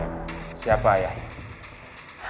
jawab tiana siapa ayahnya